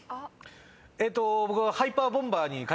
えーっと僕。